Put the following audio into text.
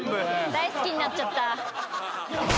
大好きになっちゃった。